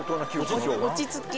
落ち着き？